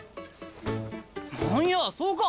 何やそうか。